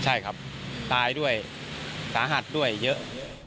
ใช่ครับตายด้วยสาหัสด้วยเยอะ